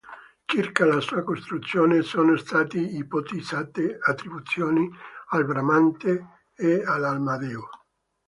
Circa la sua costruzione, sono stati ipotizzate attribuzioni al Bramante e all'Amadeo.